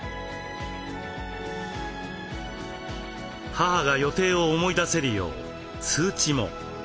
母が予定を思い出せるよう通知も。